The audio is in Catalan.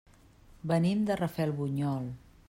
Venim de Rafelbunyol.